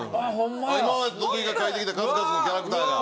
今まで徳井が描いてきた数々のキャラクターが。